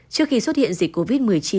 trước khi xuất hiện dịch covid một mươi chín